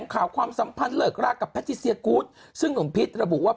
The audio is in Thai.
ข่าวความสัมพันธ์เลิกรากับแพทิเซียกูธซึ่งหนุ่มพิษระบุว่า